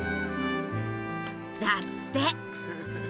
だって！